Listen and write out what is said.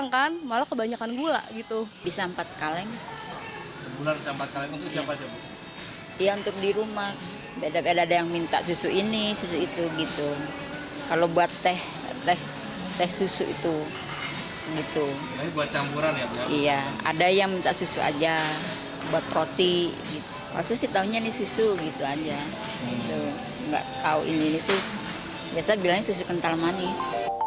gak tau ini ini tuh biasa bilangnya susu kental manis